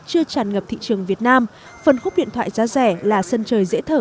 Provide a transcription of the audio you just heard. chưa tràn ngập thị trường việt nam phần khúc điện thoại giá rẻ là sân chơi dễ thở